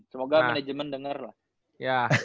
semoga manajemen denger lah